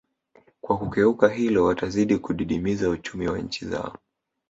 Kwa kukeuka hilo watazidi kudidimiza uchumi wa nchi zao